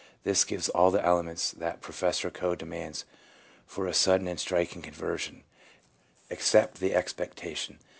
This gives all the elements that Professor Coe demands for a sudden and striking conversion, except the expecta tion.